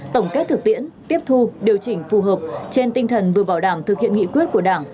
tổng kết thực tiễn tiếp thu điều chỉnh phù hợp trên tinh thần vừa bảo đảm thực hiện nghị quyết của đảng